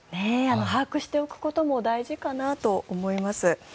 把握しておくことも大事かなと思います。